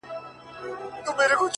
نور خپلي ويني ته شعرونه ليكو;